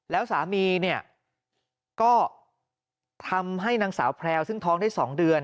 แล้วสามีเนี่ยก็ทำให้นางสาวแพรวซึ่งท้องได้๒เดือน